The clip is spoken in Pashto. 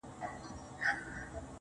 o زه لاس په سلام سترگي راواړوه.